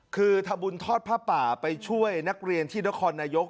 คือทำบุญทอดผ้าป่าไปช่วยนักเรียนที่นครนายก